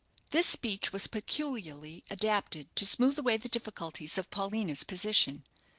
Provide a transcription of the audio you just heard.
This speech was peculiarly adapted to smoothe away the difficulties of Paulina's position.